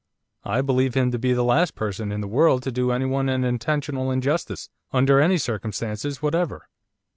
I believe him to be the last person in the world to do anyone an intentional injustice, under any circumstances whatever.